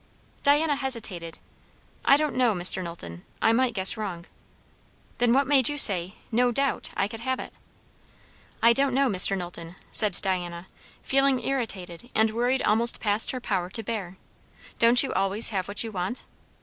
Diana hesitated. "I don't know, Mr. Knowlton, I might guess wrong." "Then what made you say, 'no doubt' I could have it?" "I don't know, Mr. Knowlton," said Diana, feeling irritated and worried almost past her power to bear. "Don't you always have what you want?"